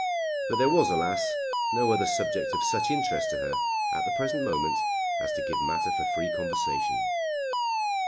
But there was, alas, no other subject of such interest to her at the present moment as to give matter for free conversation.